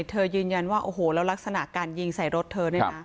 ยืนยันว่าโอ้โหแล้วลักษณะการยิงใส่รถเธอเนี่ยนะ